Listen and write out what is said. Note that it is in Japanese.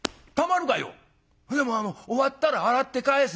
「でもあの終わったら洗って返す」。